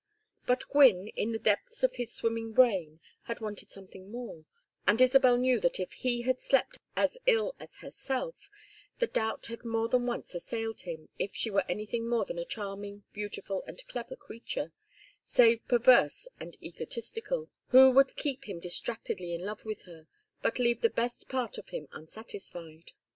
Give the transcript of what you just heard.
But Gwynne, in the depths of his swimming brain, had wanted something more, and Isabel knew that if he had slept as ill as herself, the doubt had more than once assailed him if she were anything more than a charming beautiful and clever creature, save perverse and egotistical; who would keep him distractedly in love with her, but leave the best part of him unsatisfied.